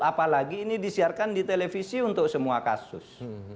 apalagi ini disiarkan di televisi untuk semua kasus